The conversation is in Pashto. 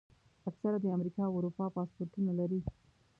اکثره د امریکا او اروپا پاسپورټونه لري.